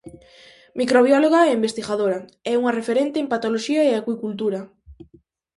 Microbióloga e investigadora, é unha referente en patoloxía e acuicultura.